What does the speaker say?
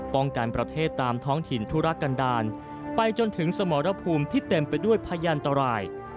ประเทศตามท้องถิ่นธุรกันดาลไปจนถึงสมรภูมิที่เต็มไปด้วยพยานตราย